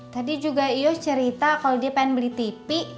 tadi juga iyosh cerita kalo dia pengen beli tv